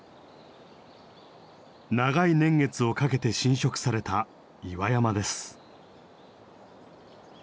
長い年月をかけて浸食された岩山です。